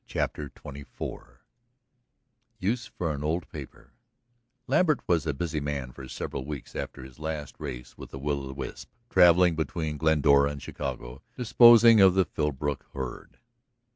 CHAPTER XXIV USE FOR AN OLD PAPER Lambert was a busy man for several weeks after his last race with the will o' the wisp, traveling between Glendora and Chicago, disposing of the Philbrook herd.